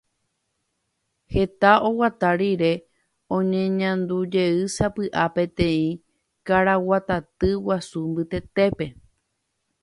Heta oguata rire oñeñandujeýsapy'a peteĩ karaguataty guasu mbytetépe.